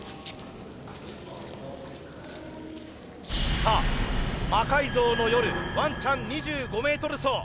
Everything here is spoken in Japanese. さあ「魔改造の夜」「ワンちゃん２５Ｍ走」。